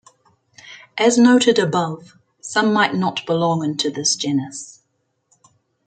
As noted above, some might not belong into this genus.